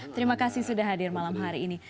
terima kasih sudah hadir malam hari ini